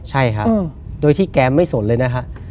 ใช่ครับโดยที่แกไม่สนเลยนะฮะ